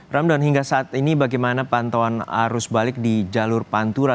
ramdan hingga saat ini bagaimana pantauan arus balik di jalur pantura